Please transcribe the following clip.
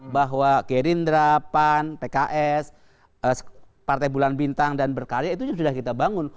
bahwa gerindra pan pks partai bulan bintang dan berkarya itu sudah kita bangun